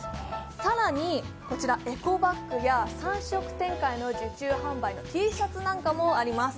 更にこちら、エコバッグや３色展開の受注販売のＴシャツなんかもあります。